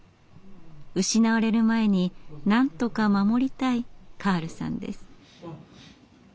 失われる前になんとか守りたいカールさんです。